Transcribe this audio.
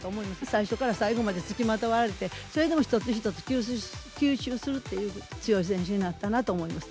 最初から最後まで付きまとわれて、それでも一つ一つ吸収するっていう、強い選手になったなと思います。